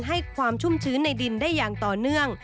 ให้ความชุ่มชื้นในดินได้อย่างต่อเนื่อง